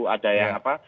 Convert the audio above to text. ada yang apa